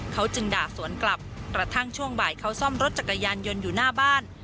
เขาจึงด่าสวนกลับกระทั่งช่วงบ่ายเขาซ่อมรถจักรยานยนต์อยู่หน้าบ้าน